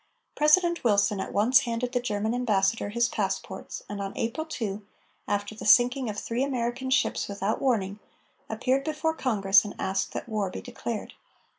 President Wilson at once handed the German Ambassador his passports, and on April 2, after the sinking of three American ships without warning, appeared before Congress and asked that war be declared.